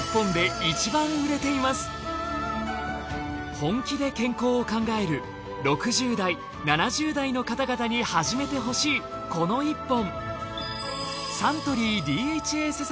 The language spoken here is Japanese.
本気で健康を考える６０代７０代の方々に初めてほしいこの１本。